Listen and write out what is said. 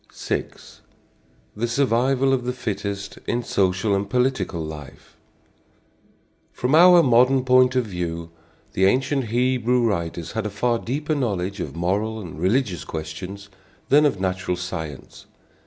VI. THE SURVIVAL OF THE FITTEST IN SOCIAL AND POLITICAL LIFE. From our modern point of view, the ancient Hebrew writers had a far deeper knowledge of moral and religious questions than of natural science.